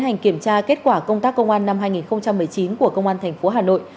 hành kiểm tra kết quả công tác công an năm hai nghìn một mươi chín của công an tp hà nội